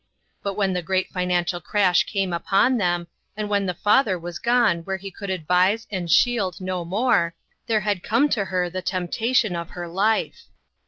But when the great financial crash came upon them, and when the father was gone where he could advise and shield no more, there had come to her the temptation of her life.